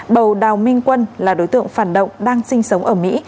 bầu đào minh quân là đối tượng phản động đang sinh sống ở mỹ